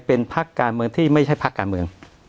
เป็นพักการเมืองที่ไม่ใช่พักการเมือง